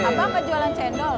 apa kejualan cendol